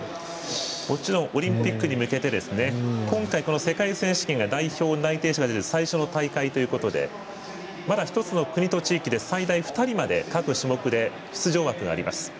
もちろん、オリンピックに向けて今回、世界選手権が代表内定者が出る最初の大会ということでまだ１つの国と地域で最大２人まで各種目で出場枠があります。